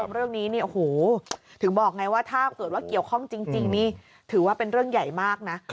เรื่องนี้เนี่ยโอ้โหถึงบอกไงว่าถ้าเกิดว่าเกี่ยวข้องจริงนี่ถือว่าเป็นเรื่องใหญ่มากนะ